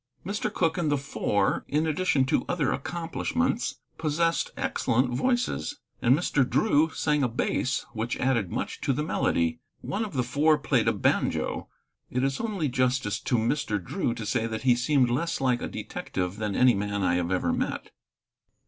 Mr. Cooke and the Four, in addition to other accomplishments, possessed excellent voices, and Mr. Drew sang a bass which added much to the melody. One of the Four played a banjo. It is only justice to Mr. Drew to say that he seemed less like a detective than any man I have ever met.